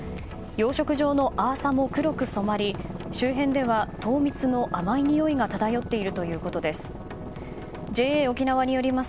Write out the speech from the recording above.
養殖場のアーサも黒く染まり周辺では糖蜜の甘いにおいが漂っているということです。